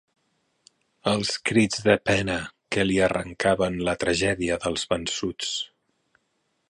Els crits de pena que li arrencaven la tragèdia dels vençuts